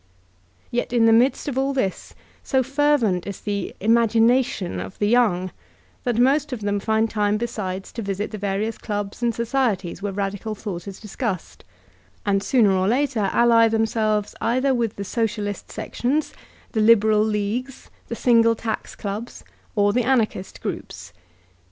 Yet in the midst of all this, so fervent is the social imagination of the young that most of them find time besides to visit the various clubs and societies where radical thought is discussed, and sooner or later ally themselves either with the Socialist Sections, the Liberal Leagues, the Single Tax Clubs, or the Anarchist Groups.